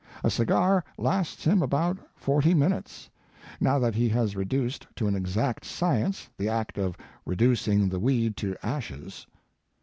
A cigar lasts him about forty minutes, now that he has reduced to an exact science the act of reducing the weed to ashes.